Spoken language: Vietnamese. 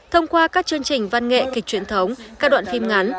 thông qua các chương trình văn nghệ kịch truyền thống các đoạn phim ngắn